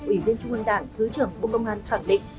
ủy viên trung ương đảng thứ trưởng bộ công an khẳng định